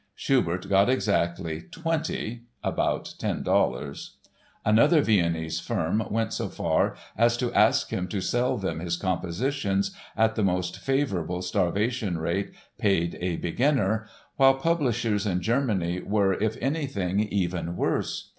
Schubert got exactly 20 (about $10)! Another Viennese firm went so far as to ask him to sell them his compositions at the most favorable starvation rate "paid a beginner," while publishers in Germany were, if anything, even worse!